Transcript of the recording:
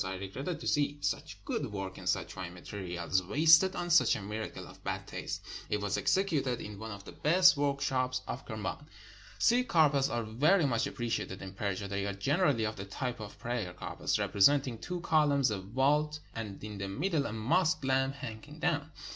I regretted to see such good work and such fine materials wasted on such a miracle of bad taste. It was executed in one of the best workshops of Kerman. Silk carpets are very much appreciated in Persia. They are generally of the type of prayer carpets, repre senting two columns, a vault, and in the middle a mosque lamp hanging down.